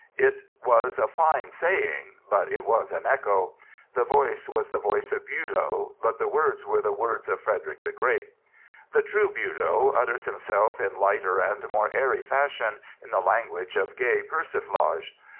It was a fine saying ; but it was an echo. The voice was the voice of Billow, but the words were the words of Frederick the Great. The true Billow utters himself in lighter and more airy fashion, in the language of gay persiflage.